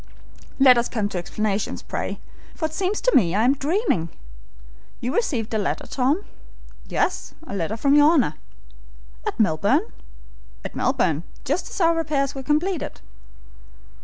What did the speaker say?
"Let us come to explanations, pray, for it seems to me I am dreaming. You received a letter, Tom?" "Yes, a letter from your Honor." "At Melbourne?" "At Melbourne, just as our repairs were completed."